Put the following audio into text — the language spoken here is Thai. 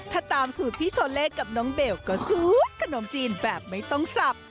ถ้าตามสูตรพี่โชเล่กับน้องเบลก็ซูดขนมจีนแบบไม่ต้องสับ